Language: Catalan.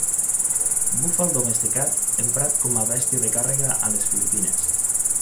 Búfal domesticat, emprat com a bèstia de càrrega a les Filipines.